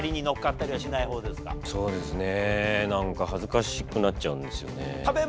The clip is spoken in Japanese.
そうですね。